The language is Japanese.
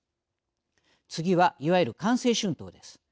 次はいわゆる官製春闘です。